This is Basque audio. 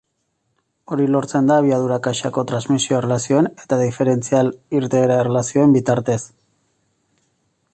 Hori lortzen da abiadura-kaxako transmisio-erlazioen eta diferentzial-irteera erlazioen bitartez.